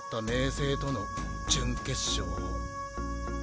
青との準決勝を。